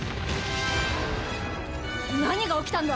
何が起きたんだ！